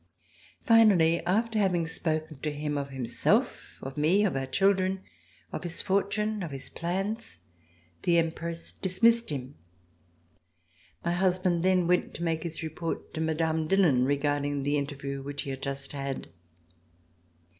Finally, after having spoken to him of himself, of me, of our chil dren, of his fortune, of his plans, the Empress dis missed him. My husband then went to make his report to Mme. Dillon regarding the interview which he had just had.